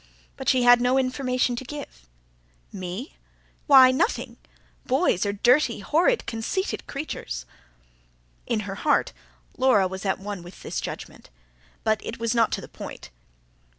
But she had no information to give. "Me? ... why, nothing. Boys are dirty, horrid, conceited creatures." In her heart Laura was at one with this judgment; but it was not to the point.